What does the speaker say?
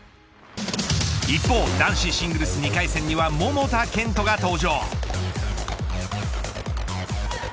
一方、男子シングルス２回戦には桃田賢斗が登場。